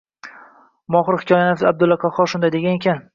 Mohir hikoyanavis Abdulla Qahhor shunday degan ekan: